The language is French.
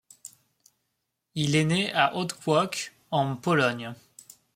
Il est né à Otwock, en Pologne.